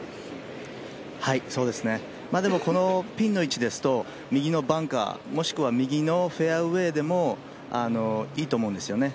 そうですね、でもこのピンの位置ですと右のバンカー、もしくは右のフェアウエーでもいいと思うんですよね。